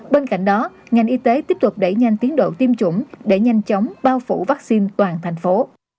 bên cạnh đó ngành y tế tiếp tục đẩy nhanh tiến độ tiêm chủng để nhanh chóng bao phủ vaccine toàn thành phố